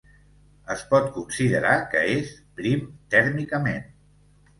Es pot considerar que és "prim tèrmicament".